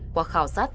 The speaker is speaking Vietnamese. quả khảo sát tạm biệt